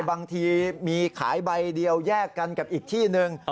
บางทีมีขายใบเดียวแยกกันกับอีกที่หนึ่ง